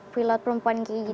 pilot perempuan kayak gitu